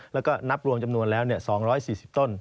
แล้วก็นับรวมจำนวนแล้ว๒๔๐ต้น